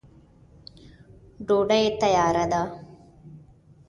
ډوډی تیاره ده.